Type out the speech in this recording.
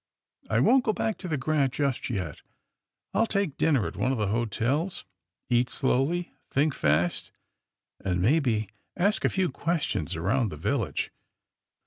I won't go back to the 'Grant' just yet. I'll take din ner at one of the hotels, eat slowly, think fast, and maybe ask a few questions around the vil lage.